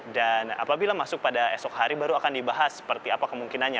dan apabila masuk pada esok hari baru akan dibahas seperti apa kemungkinannya